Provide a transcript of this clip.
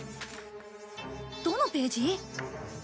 どのページ？